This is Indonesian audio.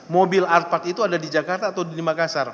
mobil art part itu ada di jakarta atau di makassar